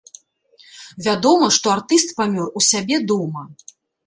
Вядома, што артыст памёр у сябе дома.